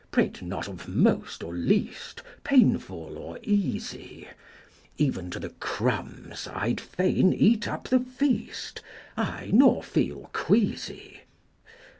Prate not of most or least, Painful or easy! Even to the crumbs I'd fain eat up the feast, Aye, nor feel queasy."